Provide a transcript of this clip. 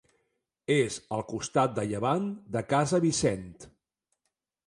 És al costat de llevant de Casa Vicent.